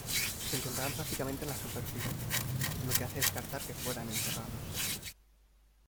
Se encontraban prácticamente en la superficie, lo que hace descartar que fueran enterrados.